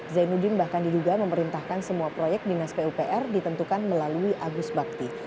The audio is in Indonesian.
zainuddin bahkan diduga memerintahkan semua proyek dinas pupr ditentukan melalui agus bakti